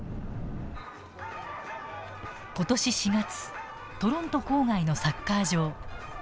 今年４月トロント郊外のサッカー場。